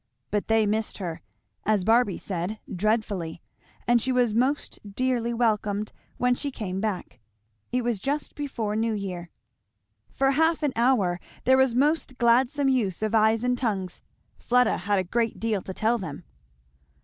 But they missed her, as Barby said, "dreadfully;" and she was most dearly welcomed when she came back. It was just before New Year. For half an hour there was most gladsome use of eyes and tongues. Fleda had a great deal to tell them.